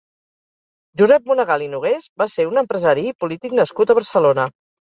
Josep Monegal i Nogués va ser un empresari i polític nascut a Barcelona.